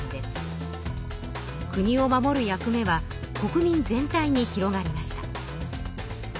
国を守る役目は国民全体に広がりました。